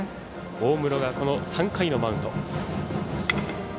大室が３回のマウンド。